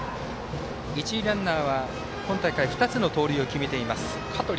一塁ランナーは今大会２つの盗塁を決めています、香取。